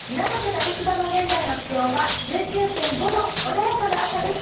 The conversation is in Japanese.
竹芝の現在の気温は１９．５度穏やかな朝です。